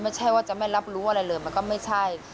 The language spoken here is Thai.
ไม่ใช่ว่าจะไม่รับรู้อะไรเลยมันก็ไม่ใช่